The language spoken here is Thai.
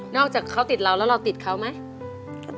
อกจากเขาติดเราแล้วเราติดเขาไหม